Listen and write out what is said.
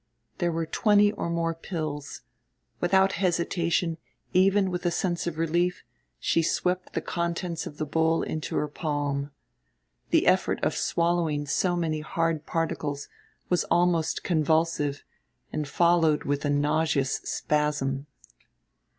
There were twenty or more pills. Without hesitation, even with a sense of relief, she swept the contents of the bowl into her palm. The effort of swallowing so many hard particles was almost convulsive and followed with a nauseous spasm.